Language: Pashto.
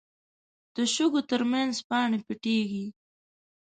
د شګو تر منځ پاڼې پټېږي